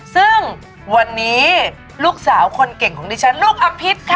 ซึ่งวันนี้ลูกสาวคนเก่งของดิฉันลูกอภิษค่ะ